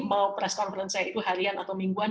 mau press conference saya itu harian atau mingguan